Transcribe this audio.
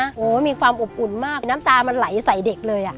โอ้โหมีความอบอุ่นมากน้ำตามันไหลใส่เด็กเลยอ่ะ